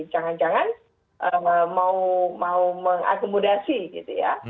jangan jangan mau mengakomodasi gitu ya